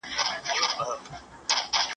علمي څېړنه د موجوده ستونزو حل ته لاره موندل دي.